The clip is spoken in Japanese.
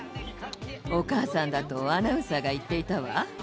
お母さんだとアナウンサーが言っていたわ。